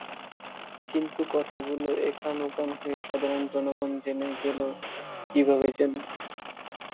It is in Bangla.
কিন্তু কথাগুলো একান-ওকান হয়ে সাধারন জনগণ জেনে গেল কীভাবে যেন।